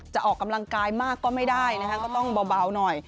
จะออกกำลังกายมากก็ไม่ได้นะคะก็ต้องเบาหน่อย